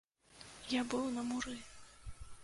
Я быў на муры!